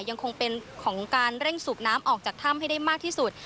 ยังคงเป็นของการเร่งสูบน้ำออกจากถ้ำให้ได้มากที่สุด